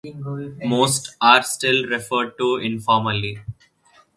Most are still referred to informally.